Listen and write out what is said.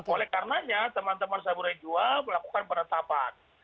oleh karenanya teman teman saburejwa melakukan perhentapan